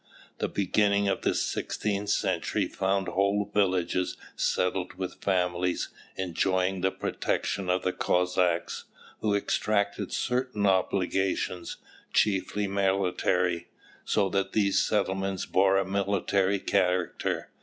The beginning of the sixteenth century found whole villages settled with families, enjoying the protection of the Cossacks, who exacted certain obligations, chiefly military, so that these settlements bore a military character.